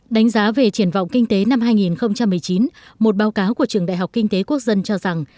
đánh giá về triển vọng kinh tế năm hai nghìn một mươi chín một báo cáo của trường đại học kinh tế quốc dân cho rằng